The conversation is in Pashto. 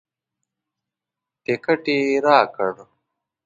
ټکټ یې راکړ.